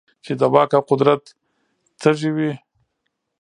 چـې د واک او قـدرت تـېږي وي .